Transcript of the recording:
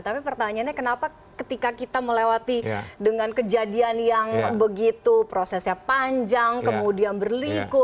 tapi pertanyaannya kenapa ketika kita melewati dengan kejadian yang begitu prosesnya panjang kemudian berliku